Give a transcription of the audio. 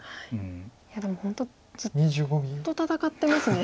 いやでも本当ずっと戦ってますね。